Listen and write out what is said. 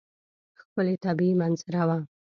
ښکلې طبیعي منظره وه.